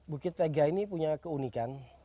bukit tega ini punya keunikan